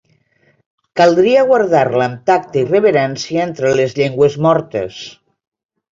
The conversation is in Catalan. Caldria guardar-la amb tacte i reverència entre les llengües mortes.